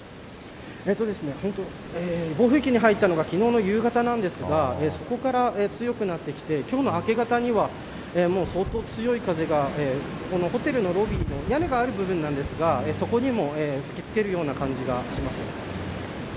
暴風域に入ったのが昨日の夕方なんですがそこから、強くなってきて今日の明け方には相当、強い風がこのホテルのロビーの屋根がある部分なんですがそこにも吹き付けるような感じがします。